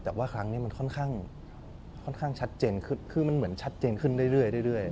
แต่ว่าครั้งนี้มันค่อนข้างชัดเจนคือมันเหมือนชัดเจนขึ้นเรื่อย